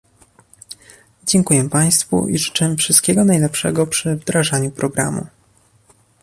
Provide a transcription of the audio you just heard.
Dziękuję państwu i życzę wszystkiego najlepszego przy wdrażaniu programu